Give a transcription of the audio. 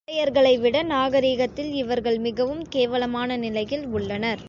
புலையர்களைவிட நாகரிகத்தில் இவர்கள் மிகவும் கேவலமான நிலையில் உள்ளனர்.